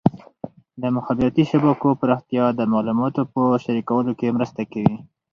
د مخابراتي شبکو پراختیا د معلوماتو په شریکولو کې مرسته کوي.